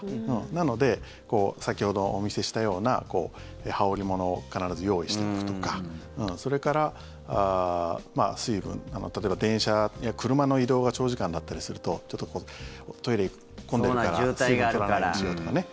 なので、先ほどお見せしたような羽織物を必ず用意しておくとかそれから水分例えば電車や車の移動が長時間だったりするとちょっとトイレ混んでるから水分取らないようにしようとかね。